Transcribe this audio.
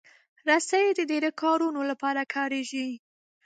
رسۍ د ډیرو کارونو لپاره کارېږي.